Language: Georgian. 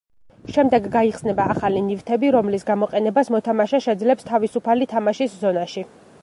შემდეგ გაიხსნება ახალი ნივთები რომლის გამოყენებას მოთამაშე შეძლებს თავისუფალი თამაშის ზონაში.